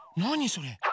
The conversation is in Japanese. それ。